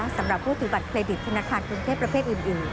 สำหรับผู้ถือบัตรเครดิตธนาคารกรุงเทพประเภทอื่น